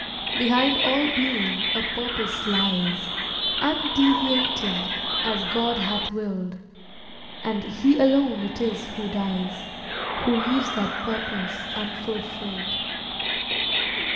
Behind all being a purpose lies, Undeviating as God hath willed; And he alone it is who dies, Who leaves that purpose unfulfilled.